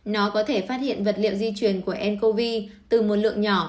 nó có thể phát hiện vật liệu di truyền của ncov từ một lượng nhỏ